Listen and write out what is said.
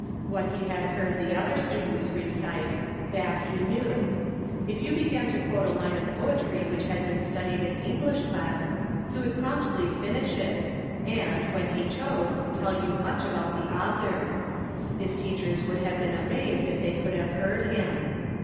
What he had heard the other stu dents recite, that he knew. If you began to quote a line of poetry which had been studied in English class he would promptly finish it and, when he chose, tell you much about the author. His teachers would have been amazed if they could have heard him.